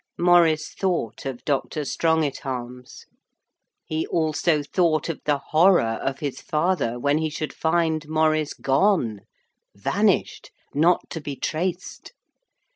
Maurice thought of Dr. Strongitharm's. He also thought of the horror of his father when he should find Maurice gone, vanished, not to be traced.